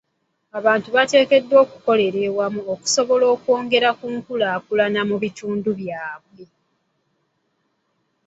Abantu bateekeddwa okukolera awamu okusobola okwongera ku nkulaakulana mu bitundu byabwe.